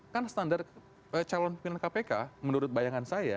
kan standar calon pimpinan kpk menurut bayangan saya